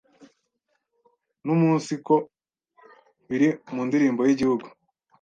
numunsiko biri mu ndirimbo y’Igihugu